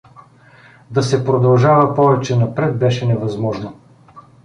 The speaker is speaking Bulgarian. Да се продължава повече напред беше невъзможно.